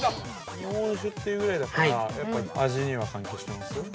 日本酒というぐらいだからやっぱり味には関係しています？